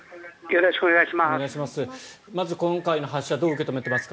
よろしくお願いします。